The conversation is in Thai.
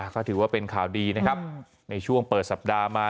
ก็ถือว่าเป็นข่าวดีนะครับในช่วงเปิดสัปดาห์มา